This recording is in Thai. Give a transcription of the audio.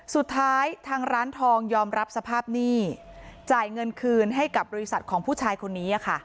สุดท้ายทางร้านทองยอมรับสภาพหนี้จ่ายเงินคืนให้กับบริษัทของผู้ชายคนนี้